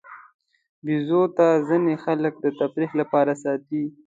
بیزو ته ځینې خلک د تفریح لپاره ساتي.